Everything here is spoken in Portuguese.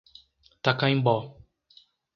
Tacaimbó